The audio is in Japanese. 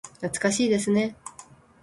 懐かしいですね。